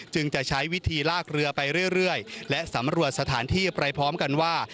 จะใช้วิธีลากเรือไปเรื่อยและสำรวจสถานที่ไปพร้อมกันว่า